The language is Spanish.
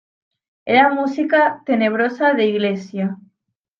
Era música tenebrosa de iglesia".